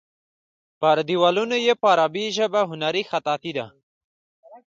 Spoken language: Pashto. پر دیوالونو یې په عربي ژبه هنري خطاطي ده.